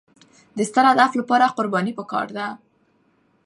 د ستر هدف لپاره قرباني پکار ده.